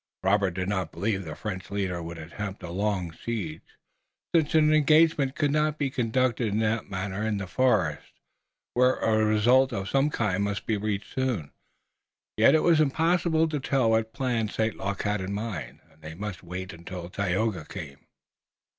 Robert did not believe the French leader would attempt a long siege, since an engagement could not be conducted in that manner in the forest, where a result of some kind must be reached soon. Yet it was impossible to tell what plan St. Luc had in mind, and they must wait until Tayoga came.